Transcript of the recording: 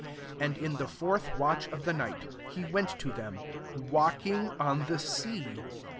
25 And in the fourtli watch of the night, he went to them, walking on the sea.